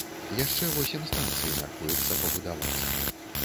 Яшчэ восем станцый мяркуецца пабудаваць.